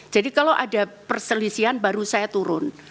jadi kalau ada perselisihan baru saya turun